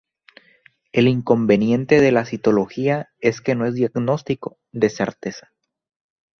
El inconveniente de la citología es que no es un diagnóstico de certeza.